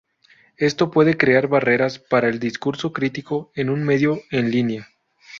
Esto puede crear barreras para el discurso crítico en un medio en línea.